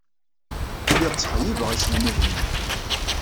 Lliɣ ttxeyyibeɣ iselmaden-inu.